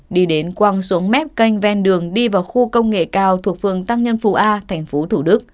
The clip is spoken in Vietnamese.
đi đến quăng xuống mép canh ven đường đi vào khu công nghệ cao thuộc phường tăng nhân phù a thành phố thủ đức